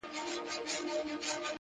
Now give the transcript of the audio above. o مرغۍ الوتې وه، خالي قفس ته ودرېدم .